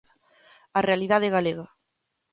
A realidade galega.